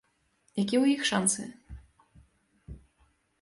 Якія ў іх шанцы?